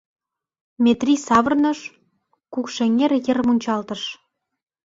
Метрий савырныш, Кукшеҥер йыр мунчалтыш.